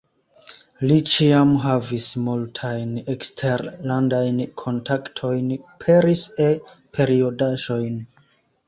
Li ĉiam havis multajn eksterlandajn kontaktojn, peris E-periodaĝojn.